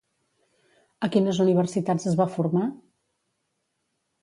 A quines universitats es va formar?